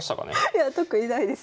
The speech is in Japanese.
いや特にないです。